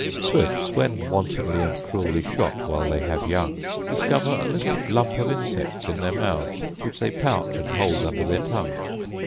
Swifts, when wantonly and cruelly shot while they have young, discover a little lump of insects in their mouths, which they pouch and hold under their tongue.